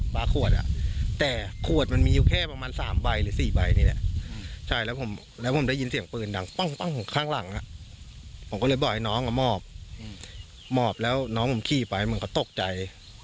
ผมก็เลยบอกให้น้องมอบมอบแล้วน้องขี่ไปมันก็ตกใจ